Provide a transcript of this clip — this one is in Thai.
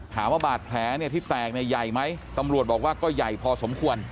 ถามว่าบาดแผลเนี่ยที่แตกเนี่ยใหญ่ไหมตำรวจบอกว่าก็ใหญ่พอสมควร